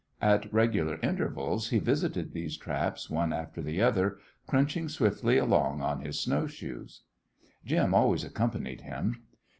At regular intervals he visited these traps one after the other, crunching swiftly along on his snow shoes. Jim always accompanied him.